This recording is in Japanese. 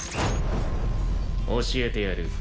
教えてやる。